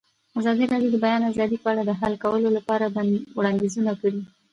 ازادي راډیو د د بیان آزادي په اړه د حل کولو لپاره وړاندیزونه کړي.